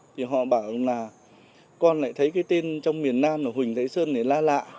thì họ bảo là con lại thấy cái tên trong miền nam là huỳnh thái sơn này la lạ